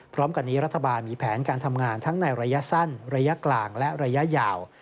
พร้อมกันนี้รัฐบาลมีแผนการทำงานทั้งในระยะสั้นระยะกลางและระยะยาว